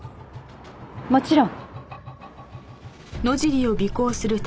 もちろん。